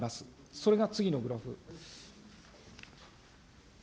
それが次のグラフ。